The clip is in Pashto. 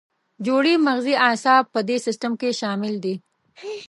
جوړې مغزي اعصاب په دې سیستم کې شامل دي.